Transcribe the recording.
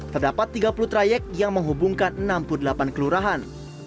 terdapat tiga puluh trayek yang menghubungkan enam puluh delapan kelurahan